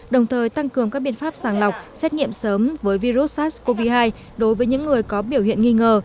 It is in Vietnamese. đồng thời tăng cường các biện pháp sàng lọc xét nghiệm sớm với virus sars cov hai đối với những người có biểu hiện nghi ngờ